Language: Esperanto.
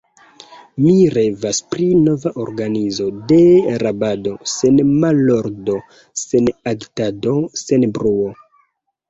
Mi revas pri nova organizo de rabado, sen malordo, sen agitado, sen bruo.